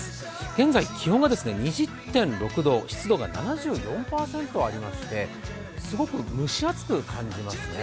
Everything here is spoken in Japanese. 現在、気温が２０．６度湿度が７４％ありましてすごく蒸し暑く感じますね。